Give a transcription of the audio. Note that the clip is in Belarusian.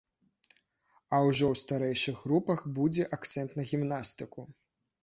А ўжо ў старэйшых групах будзе акцэнт на гімнастыку.